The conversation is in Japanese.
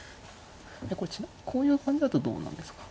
これこういう感じだとどうなんですか。